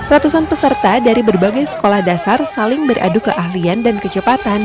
ratusan peserta dari berbagai sekolah dasar saling beradu keahlian dan kecepatan